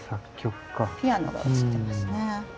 ピアノが写ってますね。